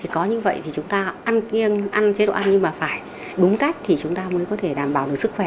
có như vậy thì chúng ta ăn chế độ ăn nhưng mà phải đúng cách thì chúng ta mới có thể đảm bảo được sức khỏe